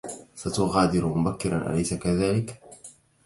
ستغادر مبكرا، أليس كذلك؟